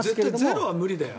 ゼロは無理だよ。